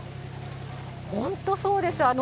本当そうです。